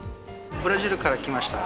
ブラジルから来ました。